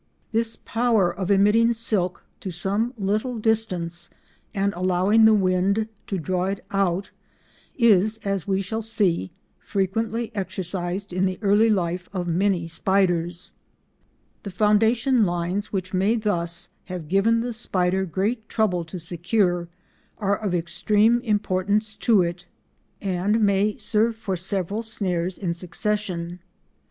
This power of emitting silk to some little distance and allowing the wind to draw it out is, as we shall see, frequently exercised in the early life of many spiders. The foundation lines which may thus have given the spider great trouble to secure, are of extreme importance to it, and may serve for several snares in succession.